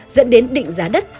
dẫn đến định giá đất